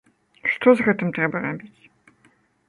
Што з гэтым трэба рабіць?